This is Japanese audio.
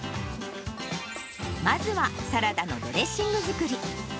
まずはサラダのドレッシング作り。